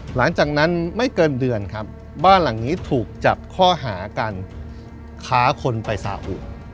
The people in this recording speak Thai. หลังจากนั้นไม่เกินเดือนครับบ้านหลังนี้ถูกจับข้อหาการค้าคนไปสาอุ